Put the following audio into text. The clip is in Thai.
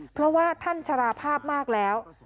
เพราะว่าท่านชราภาพมากแล้ว